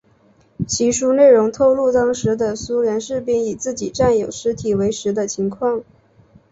其书内容透露当时的苏联士兵以自己战友尸体为食的情况。